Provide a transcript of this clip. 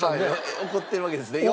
怒ってるわけですね